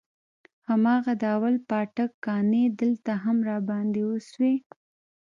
هماغه د اول پاټک کانې دلته هم راباندې وسوې.